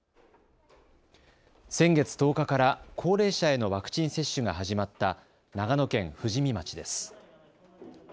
先月１０日から高齢者へのワクチン接種が始まった長野県富士見町です。